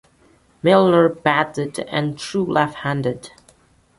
Milner batted and threw left-handed.